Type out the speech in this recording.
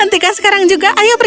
hentikan sekarang juga ayo pergi